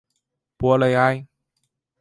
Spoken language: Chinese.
博雷埃。